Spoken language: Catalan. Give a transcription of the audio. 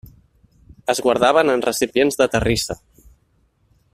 Es guardaven en recipients de terrissa.